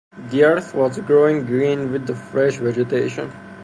The earth was growing green with the fresh vegetation.